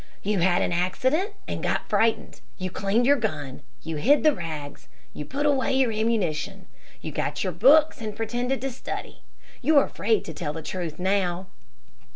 "You had an accident and got frightened. You cleaned your gun, you hid the rags, you put away your ammunition, you got your books and pretended to study. You're afraid to tell the truth now."